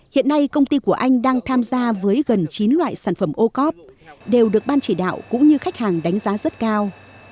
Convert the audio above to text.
hiện nay công ty của anh đang tham gia với gần chín loại sản phẩm ô cóp đều được ban chỉ đạo cũng như khách hàng đánh giá rất cao